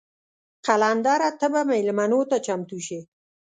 قلندره ته به میلمنو ته چمتو شې.